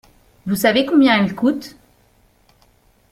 Vous savez combien elle coûte ?